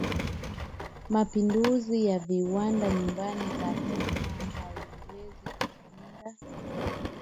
Mapinduzi ya viwanda Nyumba za sanaa Haiwezi kupinga